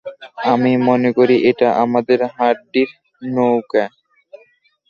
আমি মনে করি এটা আমাদের হাড্ডির নৌকা।